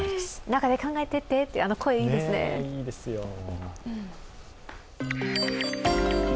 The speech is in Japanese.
中で考えてってって、あの声、いいですよね。